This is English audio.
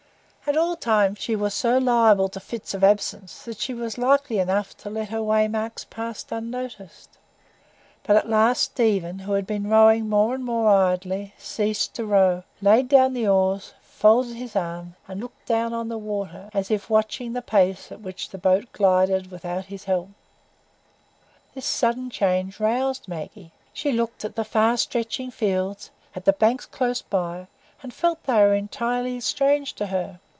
At all times she was so liable to fits of absence, that she was likely enough to let her waymarks pass unnoticed. But at last Stephen, who had been rowing more and more idly, ceased to row, laid down the oars, folded his arms, and looked down on the water as if watching the pace at which the boat glided without his help. This sudden change roused Maggie. She looked at the far stretching fields, at the banks close by, and felt that they were entirely strange to her.